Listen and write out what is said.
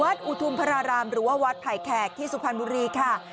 อุทุมพระรารามหรือว่าวัดไผ่แขกที่สุพรรณบุรีค่ะ